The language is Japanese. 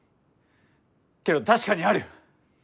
けど確かにある。